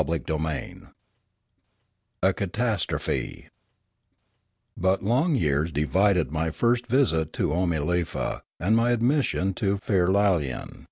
CHAPTER XI A CATASTROPHE BUT long years divided my first visit to Oomalefa and my admission to Firlalain.